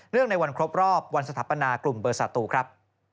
ในวันครบรอบวันสถาปนากลุ่มเบอร์สาตูครับ